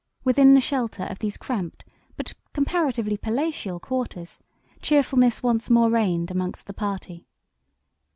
Within the shelter of these cramped but comparatively palatial quarters cheerfulness once more reigned amongst the party.